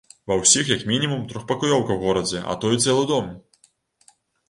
Ва ўсіх як мінімум трохпакаёўка ў горадзе, а то і цэлы дом!